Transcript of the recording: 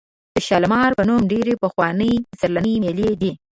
د شالمار په نوم ډېرې پخوانۍ پسرلنۍ مېلې دي.